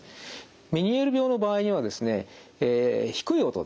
メニエール病の場合にはですね低い音ですね。